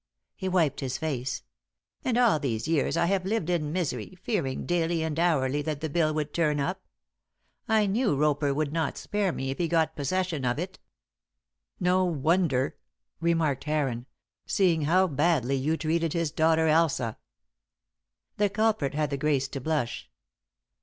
He wiped his face. "And all these years I have lived in misery, fearing daily and hourly that the bill would turn up. I knew Roper would not spare me if he got possession of it." "No wonder," remarked Heron, "seeing how badly you treated his daughter Elsa." The culprit had the grace to blush.